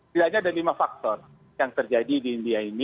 ternyata ada lima faktor yang terjadi di india ini